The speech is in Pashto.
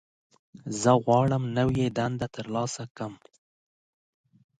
زه غواړم نوې دنده ترلاسه کړم.